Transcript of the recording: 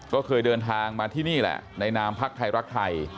ก็เคยเดินทางมาที่นี่แหละในนามพักไทยรักไทย